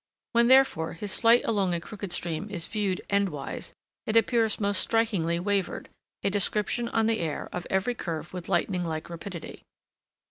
When, therefore, his flight along a crooked stream is viewed endwise, it appears most strikingly wavered—a description on the air of every curve with lightning like rapidity.